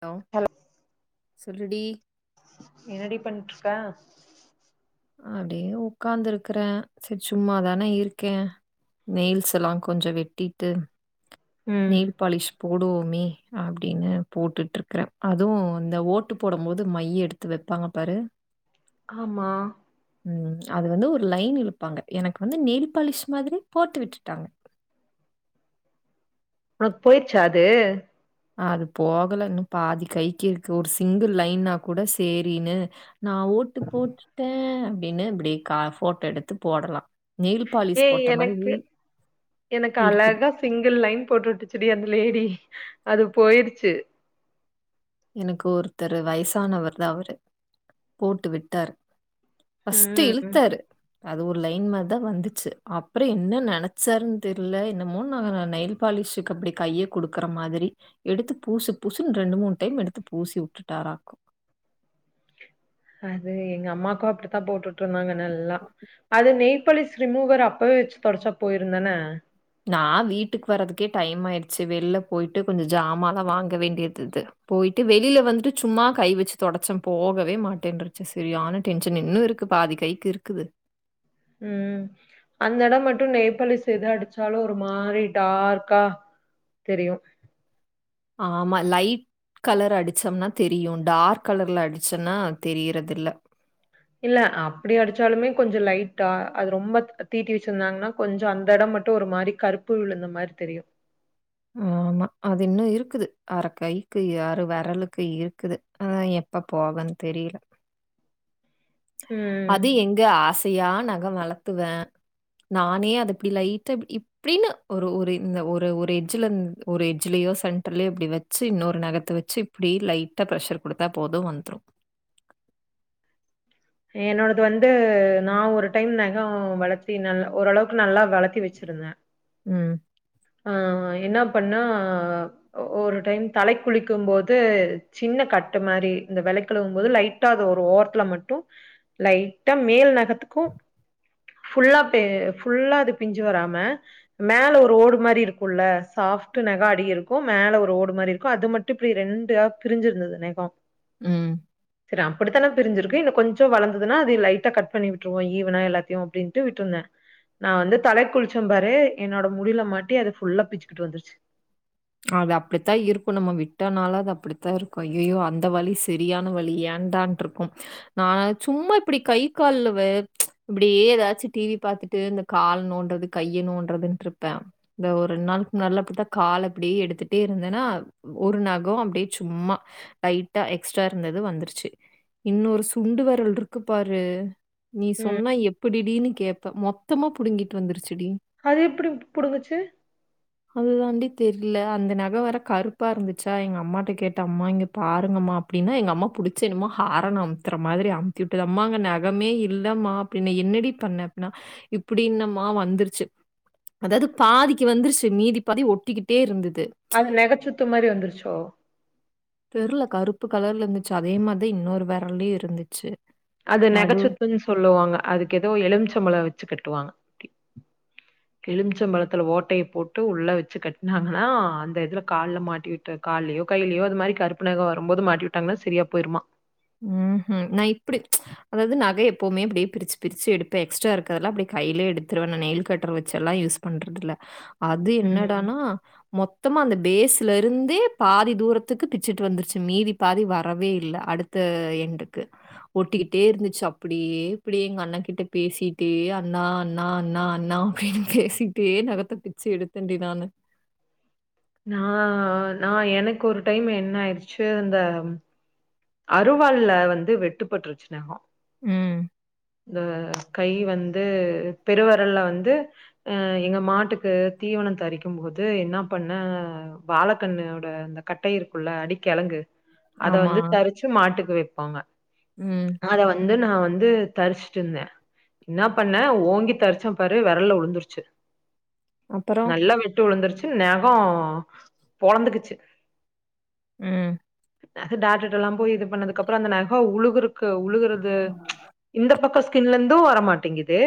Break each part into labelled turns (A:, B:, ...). A: Hello சொல்டி
B: என்னடி பண்டிருக்க
A: அப்டியே ஒகாந்து இருக்கற செரி சும்மாதானே இருக்கே நெயில்ஸ் லா கொஞ்சோ வெட்டிட்டு
B: ம்
A: நெயில் பாலிஷ் போடுவோமே அப்டின்னு போட்டுட்டுருக்கர அதுவு இந்த ஓட்டு போடும் போது மைய எடுத்து த்து வைப்பாங்க பாரு
B: ஆமா
A: ம் அது வந்து ஒரு லைன் இழுப்பாங்க எனக்கு வந்து நெயில் பாலிஷ் மாதிரி போட்டு விட்டுட்டாங்க
B: உனக்கு போயிடுச்சா அது
A: அது போகலன்னு இன்னு பாதி கைக்கு இருக்கு ஒரு சிங்கிள் லைன்னா கூட சேரின்னு நா ஓட்டு போட்டுட்டே அப்டின்னு இப்டி கா போட்டோ எடுத்து போடலா
B: ஏய் எனக்கு எனக்கு
A: இருக்கு
B: அழகா சிங்கிள் லைன் போட்டு விட்டுச்சுடி அந்த லேடி அது போயிருச்சு
A: எனக்கு ஒருத்தரு வயசானவர்தான் அவரு போட்டு விட்டாரு பஸ்டு
B: ம்
A: இலுத்தாரு அது ஒரு லைன் மாத தான் வந்துச்சு அப்புறம் என்ன நினைச்சாருன்னு தெரில என்னமோன் நான் நெயில் பாலிஷுக்கு அப்டி கைய குடுக்குற மாதிரி எடுத்து பூசு பூசுன் ரெண்டு மூணு டைம் எடுத்து பூசி விட்டுட்டாராருக்கு
B: அது எங்க அம்மாக்கு அப்டித்தான் போட்டூட்று இருந்தாங்க நல்லா அது நெய்பாலிஸ் ரிமூவர் அப்பவே வச்சு தொடச்சா போயிருந்தான
A: நா வீட்டுக்கு வர்றதுக்கே டைம் ஆயிடுச்சு வெளில போயிட்டு கொஞ்சோ ஜாமாலாம் வாங்க வேண்டியது இதுது போயிட்டு வெளியில வந்துட்டு சும்மா கை வச்சு தொடச்சம் போகவே மாட்டேன்ருச்சு சரி ஆனா டென்ஷன் இன்னு இருக்கு பாதி கைக்கு இருக்குது
B: ம் அந்த எடம் மட்டு நெயிபாலிஸ் எத அடிச்சாலு ஒரு மாரி டார்க்கா தெரியு
A: ஆமா லைட் கலர் அடிதச்சம்னா தெரியும் டார்க் கலர்ல அடிச்சம்னா தெரியறதில்ல
B: இல்ல அப்டி அடிச்சாலுமே கொஞ்சோ லைட்டா அது ரொம்ப தீட்டி வச்சிருந்தாங்கன்னா கொஞ்சோ அந்த எடம் மட்டும் ஒரு மாரி கருப்பு விழுந்த மாரி தெரியு [inaudible]
A: ஆமா அது இன்னு இருக்குது அற கைக்கு யறு வெரலுக்கு இருக்குது அதான் எ எப்ப போவன் தெரியல
B: ம்.
A: அது எங்க ஆசையா நெகம் வளர்த்துவே நானே அது இப்படி லைட்டா ப் இப்டின்னு ஒரு ஒரு இந்த ஒரு ஒரு எஜ்ஜ்ல ஒரு ஒரு எட்ஜ்லயோ சென் ட்ரலயோ இப்டி வச்சு இன்னொரு நகத்த வச்சு இப்டி லைட்டா ப்ரெஷர் குடுத்தா போது வந்துரு
B: என்னோடது வந்து நா ஒரு டைம் நகொ வளத்தி நலல ஓரளவுக்கு நல்லா வளத்தி வச்சிருந்தே
A: ம்
B: ஆ என்ன பண்ணா ஒரு டைம் தலக்கி குளிக்கும் போது சின்ன கட்டு மாரி இந்த விலக்கிகழுவும் போது லைட்டா அது ஒரு ஓரத்துல மட்டு லைட்டா மேல் நெகத்துக்கு ஃபுல்லா பே ஃபுல்லா அது பிஞ்சு வராம மேல ஒரு ஓடு மாரி இருக்குல்ல சாப்ட் நெகம் அடி இருக்கும் மேல ஒரு ஓடு மாரி இருக்கு அது மட்டு இப்டி ரெண்டா பிரிஞ்சிருந்தது நெகொ
A: ம்
B: சரி அப்டித்தானே பிரிஞ்சிருக்கு இன்னும் கொஞ்சொ வளர்ந்துன்னா அது லைட்டா கட்பண்ணி விட்டுருவோ ஈவனா எல்லாத்தையும் அப்படின்ட்டு விட்ருந்தே நா வந்து தலை குளிச்சம் பாரு என்னோட முடியில மாட்டி அத ஃபுல்லா பிச்சுக்கிட்டு வந்துருச்சு
A: அது அப்படித்தா இருக்கும் நம்ம விட்டனால அது அப்படித்தா இருக்கும் ஐயையோ அந்த வழி சரியான வழி ஏன்டான் இருக்கும் நான் சும்மா இப்படி கை கால்ல வே இப்படியே ஏதாச்சும் டிவி பாத்துட்டு இந்த கால் நோன்றது கைய நோன்றதுன்ருப்பேன் இந்த ஒரு ரெண்டு நாளுக்கு முன்னாடில்லாம் இப்டிதா கால் அப்படியே எடுத்துட்டே இருந்தேன்னா ஒரு நகம் அப்படியே சும்மா லைட்டா எக்ஸ்ட்ரா இருந்தது வந்துருச்சு இன்னொரு சுண்டு வரல் இருக்கு பாரு நீ
B: ம்
A: சொன்னா எப்படி டீன்னு கேப்ப மொத்தமா புடுங்கிட்டு வந்துருச்சுடி
B: அது எப்படி புடுங்கச்சு
A: அதுதாண்டி தெரியில அந்த நக வேற கருப்பாக இருந்துச்சா எங்க அம்மாட்ட கேட்டேன் அம்மா இங்கே பாருங்கம்மா அப்படின்னா எங்க அம்மா பிடிச்ச என்னமோ ஹாரன் அமுத்துற மாதிரி அமுத்தி விட்டது அம்மா அங்க நகமே இல்லை மா பின்ன என்னடி பண்ண அப்பிடீன்னா இப்படின்னம்மா வந்துருச்சு அதாவது பாதிக்கு வந்துருச்சு மீதி பாதி ஒட்டிக்கிட்டே இருந்தது
B: அது நகச்சுத்து மாதிரி வந்துருச்சோ
A: தெறில கருப்பு கலர்ல இருந்துச்சு அதே மாதிரி இன்னொரு விரல்லே யு இருந்துச்சு
B: அது
A: நடு
B: நகச்சுத்துன்னு சொல்லுவாங்க அதுக்கு ஏதோ எலுமிச்சம்பழோ வச்சு கட்டுவாங்க எலிமிச்சம்பழத்துல ஓட்டைய போட்டு உள்ள வச்சு கட்னாங்கன்னா அந்த இதுல கால்ல மாட்டி விட் கால்லயோ கையேயோ அது மாரி கருப்பு நகொம் வரும்போது மாட்டியுட்டாங்கன்னா சரியா போயிருமா
A: ம் ம் நான் இப்படி அதாவது நக எப்பமே இப்படி பிரிச்சு பிரிச்சு எடுப்பே எக்ஸ்ட்ரா இருக்கெல்லா அப்படி கைலையே எடுத்துருவேன் நா நெயில் கட்டர் வெச்செல்லா யூஸ் பண்றதில்ல அது
B: ம்.
A: என்னடானா மொ த்தமா அந்த பேஸ்ல இருந்து பாதி தூரத்துக்கு பிச்சுட்டு வந்துருச்சுங் மீதி பாதி வரவே இல்ல அடு த்த எண்டுக்கு ஒட்டிகிட்டே இருந்துச்சு அப்படியே இப்படியே எங்க அண்ணங் கிட்ட பேசிட்டே அண்ணா அண்ணா அண்ணா அண்ணா அப்படின் பேசிட்டே நகத்த பிச்சு எடுத்தன் டீ நானு
B: நா நா எனக்கு ஒரு டைம் என்ன ஆயிற்சு இந்த அறுவாள்ல வந்து வெட்டுப்பட்டுருச்சு நகொம்
A: ம்.
B: இந்த கை வந்து பெருவரல்ல வந்து அ எங்க மாட்டுக்கு தீவனந்த் தரிக்கும் போது என்ன பண்ண வாழகண்ணோட இந்த கட்டை இருக்குல்ல அடிக்கெழங்கு அத
A: ஆமா.
B: வந்துத் தரிச்சு மாட்டுக்கு வெப்பாங்க
A: ம்
B: அத வந்து நான் வந்து தரிச்சுட்டு இருந்தன் என்ன பண்ணேன் ஓங்கி தரிச்சம் பாரு வெரல்ல உழுந்துருச்சு
A: அப்புறம்?
B: நல்லா வெ ட்டு உழுந்துருச்சு நகொம் பொழந்துகிச்சு
A: ம்
B: டாட்டர்ட்ட எல்லா போயி இது பண்ணதுக்கு அப்புற அந்த நகம் உழுகரு உழுகுறது இந்த பக்க ஸ்கின்ல இருந்தும் வரமாட்டேங்குது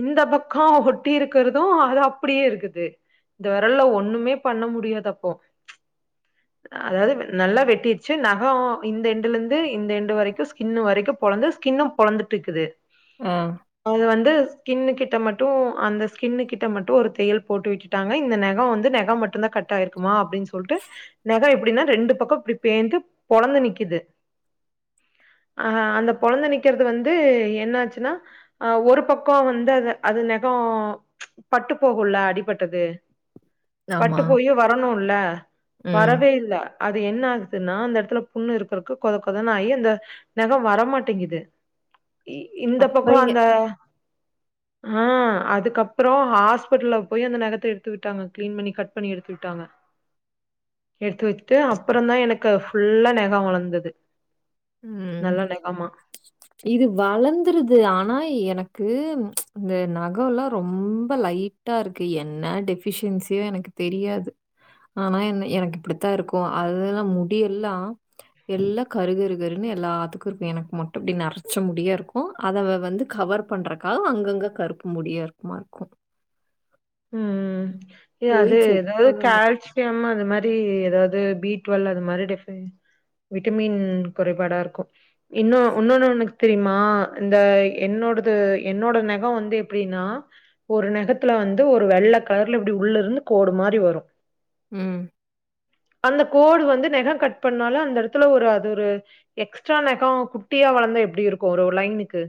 B: இந்த பக்கொம் ஒட்டி இருக்கிறதும் அது அப்படியே இருக்குது இந்த விரல்ல ஒண்ணுமே பண்ண முடியாது அப்போ அதாவது நல்லா வெட்டிச்சு நகொம் இந்த எண்டுல இந்து இந்த எண்டு வரைக்கும் ஸ்கின் வரைக்கும் பொழந்து ஸ்கின்னும் பொழந்துட்டு இருக்குது
A: ஆ
B: அது வந்து ஸ்கின் கிட்ட மட்டும் அந்த ஸ்கின் கிட்ட மட்டும் ஒரு தையல் போட்டு விட்டு ட்டாங்க இந்த நெகம் வந்து நெகம் மட்டு்தான் கட் ஆயிருக்குமா அப்படின் சொல்ட்டு நெகோ எப்படின்னா ரெண்டு பக்கோ இப்டி பேந்து பொளந்து நிக்கிது ஆ அந்த பொளந்து நிக்கிறது வந்து என்ன ஆச்சுன்னா அ ஒரு பக்க வந்து அது அது நெகோ பட்டுப்போகுல்ல அடிபட்டது
A: ஆமா.
B: பட்டு போயி வரணுல்ல
A: ம்.
B: வரவே இல்ல அது என்ன ஆகுதுன்னா அந்தெடத்துல புண்ணு இருக்கிறக்கு கொத கொதன் ஆயி அந்த நெகோ வரமாட்டேங்கிது இ இந்த பக்கோ
A: அப்புறம்
B: அந்த ஆ அதுக்கப்புறோ ஹாஸ்பிட்ல்ல போயி அந்த நகத்த எடுத்து விட்டாங்க க்ளீன் பண்ணி கட் பண்ணி எடுத்து விட்டாங்க எடுத்து விட்டு அப்பறந்தா எனக்கு ஃபுல்லா நெ கோ வளந்தது
A: ம்.
B: நல்லா நெகமா
A: இது வளந்துருது ஆனா எனக்கு இந்த நகொல்லா ரொம்ப லை டா இருக்கு என்ன டெஃபிஷியன்சியோ எனக்கு தெரியாது ஆனா என்ன எனக்கு இப்படித்தா இருக்கு அதல முடி எல்லா எல்லா கருகரு கருன்னு எல்லாத்துக்குருக்கு எனக்கு மட்டு இப்டி நெரச்ச முடியா இருக்கு அத வ வந்து கவர் பண்றக்காக அங்கங்க கருப்பு முடியா இருக்குமா இருக்கு
B: ம் இத்
A: போய்
B: அது
A: செக்
B: எதாவ்து
A: பண்ணணும்
B: கால் சியம் அது மாரி எதாவ்து பீ ட்வெல் அது மாரி டெஃபிசியன் விட்டமின் குறைபாடா இருக்கு இன்னொ உன்னொன்னு உனுக்கு தெரியுமா இந்த என்னோடது என்னோட நெகோ வந்து எப்டின்னா ஒரு நெகத்துல வந்து ஒரு வெள்ள கலர்ல இப்டி உள்ள இருந்து கோடு மாரி வரு
A: ம்
B: அந்த கோடு வந்து நெக கட் பண்ணாலு அந்த எடத்துல ஒரு அது ஒரு எக்ஸ்ட்ரா நெகோ குட்டியா வளந்தா எப்டி இருக்கு ஒரு லைனுக்கு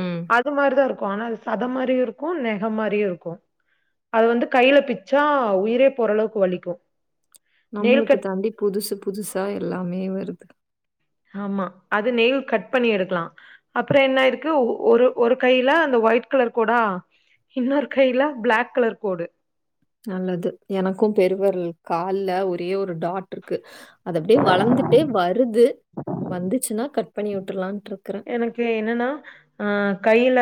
A: ம்
B: அது மாதிரிதா இருக்கு ஆனா அது சதம் மாரியு இருக்கு நெக மாரியு இருக்கு அது வந்து கைல பிச்சா உயிரே போறளவுக்கு வலிக்கு நெயில்
A: நம்மளுக்கு
B: கட்
A: தாண்டி புதுசு புதுசா எல்லாமே வருது
B: ஆமா அது நெய்ல் கட் பண்ணி எடுக்கலா அப்புற என்ன ஆயிருக்கு ஒரு ஒரு கைல அந்த ஒயிட் கலர் கோடா இன்னொரு கைல ப்ளாக் கலர் கோடு
A: நல்லது எனக்கு பெருவெரல் கால்ல ஒரே ஒரு டாட்டிருக்கு அது அப்டியே வளந்துட்டே வருது வந்துச்சுனா கட் பண்ணி விட்ருல்லான்ட்ருக்கறே
B: எனக்கு என்னன்னா ஆ கைல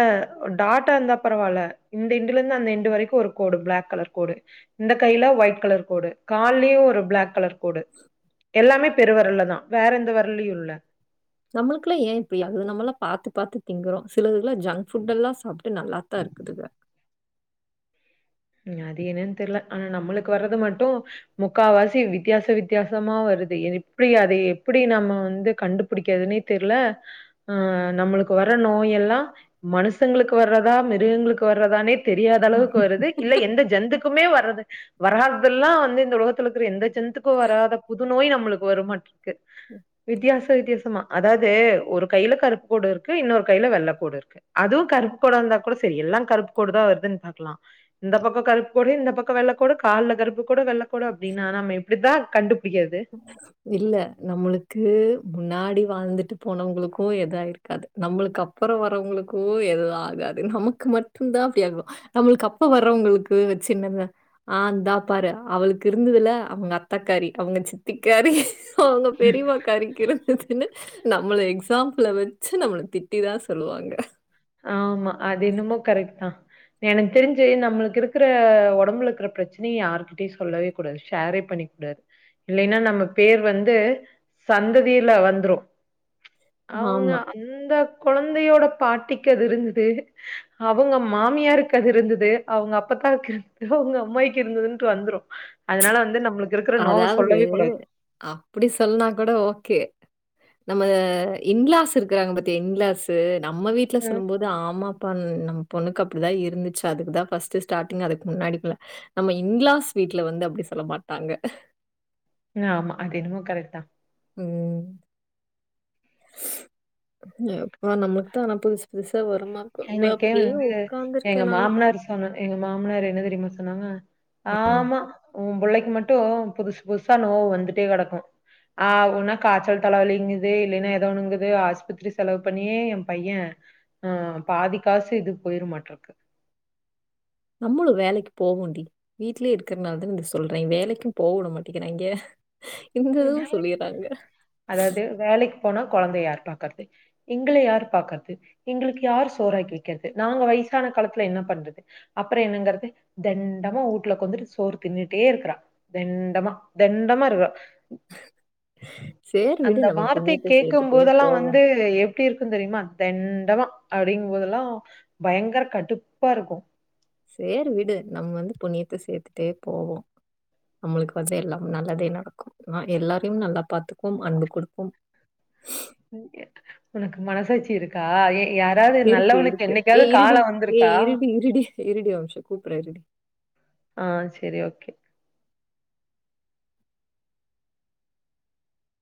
B: டாட்டா இருந்தா பரவால்லா இந்த எண்டுலந்து அந்த எண்டு வரைக்கு ஒரு கோடு ப்ளாக் கலர் கோடு இந்த கையில ஒயிட் கலர் கோடு கால்லியு ஒரு ப்ளாக் கலர் கோடு எல்லாமே பெருவெரல்தா வேற எந்த வெரல்லயு இல்ல
A: நம்மளுக்குல்லா ஏ இப்டியாகுது நம்மல்லா பாத்து பாத்து திங்கிறோ சிலதுலங்னா ஜங்க் ஃபுட்டெல்லா சாப் ட்டு நல்லாத்தா இருக்குதுக
B: அது என்னன் தெர்ல ஆனா நம்மளுக் வர்றது மட்டு முக்காவாசி வித்தியாச வித்தியாசமா வருது இத எப்டி அதை எப்படி நம்ம வந்து கண்டுப் புடிக்கற்துனே தெர்ல ஆ நம்மளுக்கு வர நோயெல்லா மனுஷங்களுக்கு வர்ரதா மிருகங்களுக்கு வர்ரதானே தெரியாத அளவுக்கு வருது இல்ல எந்த ஜந்துக்குமே வர்ரது வராததெல்லா வந்து இந்த உலகத்துல இக்கிற எந்த ஜந்துக்கு வராத புது நோய் நம்மளுக்கு வரமாட்ருக்கு வித்தியாச வித்தியாசமா அதாவ்து ஒரு கைல கருப்பு கோடு இருக்கு இன்னொரு கைல வெள்ள கோடு இருக்கு அதுவு கருப்புக்கோட இர்ந்தா கூட செரி எல்லா கருப்பு கோடு தா வருதுன் பாக்கலா இந்த பக்கோ கருப்பு கோடுஇந்த பக்கோ வெள்ளக் கோடு கால்ல கருப்பு கோடு அப்டின்னு நா எப்டி அப்டித்தா கண்டுபுடிக்காது
A: இல்ல நம்ளுக்கு முன்னாடி வாழ்ந்துட்டு போனவங்ளுக்கு எதா இருக்காது நம்ளுக்கு அப்றோ வரவங்ளுக்கு எதுவு ஆகாது நமக்கு மட்டுதா அப்டி ஆகு நம்ளுக்கு அப்ப வர்றவங்ளுக்கு வச்சு என்னத்த ஆந்தா இந்தா பாரு அவளுக்கு இருந்துதுல அவுங்க அத்தக்காரி அவுங்க சித்தி காறி அவுங்க பெரிம்மா காரிக்கு இருந்து துன்னு நம்ள எக்ஸாம்ப்ள வச்சு நம்மள திட்டிதா சொல்லுவாங்க
B: ஆமா அது என்னமோ கரெக்ட்தா எனக்கு தெரிஞ்சு நம்ளுக்கு இருக்ற ஒடம்புல இருக்ற பிரச்சனைய யார்கிட்டயு சொல்லவே கூடாது ஷேரே பண்ணிக்க கூடாது இல்லைன்னா நம்ம பேர் வந்து சந்ததியில வந்ரு அவங்க
A: ஆமா
B: அந்த கொழந்தையோட பாட்டிக்கு அது இருந்துது அவுங்க மாமியாருக்கு அது இருந்துது அவுங்க அப்பதாக்கு இருந்துது அவுங்க அம்மாய்கு இருந்துதுன்ட்டு வந்ரு அதனால வந்து நம்ளுக்கு இருக்ற நோவ சொல்லவே கூடாது
A: அப்டி சொல்னா கூட ஓகே நம்ம இன்லாஸ் இருக்றாங்க பாத்தியா இன்லாஸ்ஸூ நம்ம வீட்ல சொல்லு
B: ம்.
A: போது அ ஆமா அப்பா நம் பொண்ணுக்கு அப்டிதா இருந்துச்சு அதுக்குதா ஃபஸ்ட் ஸ்டார்டிங் அதுக்கு முன்னாடிக்ல நம்ம இன்லாஸ் வீட்ல வந்து அப்டி சொல்ல மாட்டாங்க
B: அ ஆமா அதுஎனமோ கரெக்ட்தா
A: ம் அப்ப நம்ளுக்குதா ஆனா புதுசு புதுசா வருமா
B: எனக்கே
A: அப்டியே
B: வந்து எங்க
A: உக்காந்ருக்கே நானு
B: மாமனார் சொன்ன எங்க மாமனாரு என்ன தெரியுமா சொன்னாங்க ஆமா உ பிள்ளைக்கு மட்டு புதுசு புதுசா நோவு வந்துட்டே கெடக்கு ஆவுனா காச்சல் தலைவலிங்குது இல்லின்னா ஏதோ ஒண்ணுங்குது ஆஸ்பத்ரி செலவு பண்ணியே எ பைய ஆ பாதிக்காசு இதுக் போய்ரு மாட்டுக்கு
A: நம்ளு வேலைக்கு போவோண்டி வீட்லியே இருக்றனாலதான இத சொல்றே வேலைக்கு போவுடமாட்டேங்றாங்க
B: வேலைக்கு அதாவ்து வேலைக்கு போனா கொழந்தைய யார் பாக்றது எங்கள யார் பாக்றது எங்ளுக்கு யாரு சோறாக்கி வக்கிறது நாங்க வயசான காலத்துல என்ன பண்றது அப்றோஎன்னங்றது தெண்டமா வீட்ல ஒக்காந்துட்டு சோறு தின்னுட்டே இருக்றா தெண்டமா தெண்டமா இருக்றா
A: சரி விடு
B: அந்த
A: நம்ம
B: வார்த்தைய
A: புண்ணியத்தை
B: கேக்கு
A: சேர்த்துட்டே
B: போதுல்லா
A: போவோம்
B: வந்து எ எப்டி இருக்கு தெரியுமா தெண்டமா அப்டிங்கும்போதுல்லா பயங்ர கடுப்பா இருக்கு
A: சேரி விடு நம்ம வந்து புண்ணியத்த சேத்துட்டே போவோ நம்ளுக்கு வந்து எல்லா நல்லதே நடக்கு ஆ எல்லாரையு நல்லா பாத்தக்குவோம் அன்பு கொடுப்போம்
B: உனக்கு மனசாச்சி இருக்கா ஏ யார்
A: இருக்கு இருக்கு ஏ இருடி ஏ இருடி இருடி இ இருடி ஒருநிம்சோ கூப்ர்ர இருடி
B: ஆ சரி ஓகே